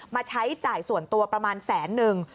มาใช้จ่ายส่วนตัวประมาณแสนนึง